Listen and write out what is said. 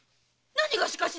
何が「しかし」